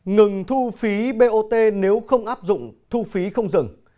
ngừng thu phí bot nếu không áp dụng thu phí không dừng